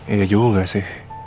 iya juga sih